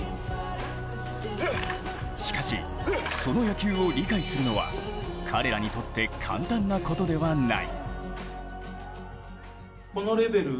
しかし、その野球を理解するのは彼らにとって簡単なことではない。